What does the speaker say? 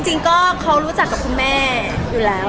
จริงก็เขารู้จักกับคุณแม่อยู่แล้ว